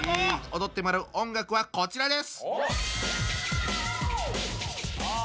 踊ってもらう音楽はこちらです。